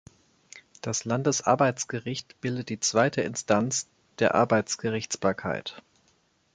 Das Landesarbeitsgericht bildet die zweite Instanz der Arbeitsgerichtsbarkeit.